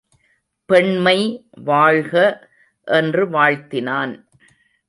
பெண்மை வாழ்க என்று வாழ்த்தினான்.